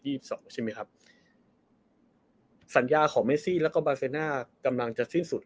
ใช่ไหมครับสัญญาของเมซี่แล้วก็บาเซน่ากำลังจะสิ้นสุด